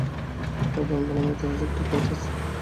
ওর ধারণা, লাবণ্যর ইতিহাসে একটা খুঁত আছে।